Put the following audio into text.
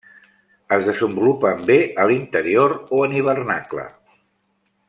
Es desenvolupen bé a l'interior o en hivernacle.